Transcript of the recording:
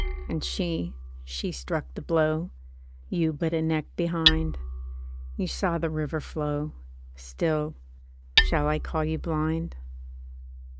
And she — she struck the blow. You but a neck behind. .. You saw the river flow — Still, shall I call you blind?